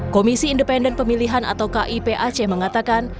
komisi independen pemilihan atau kip aceh mengatakan